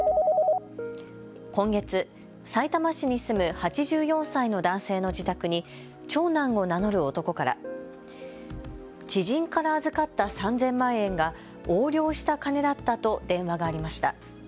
今月、さいたま市に住む８４歳の男性の自宅に長男を名乗る男から知人から預かった３０００万円が横領した金だったと電話がありました。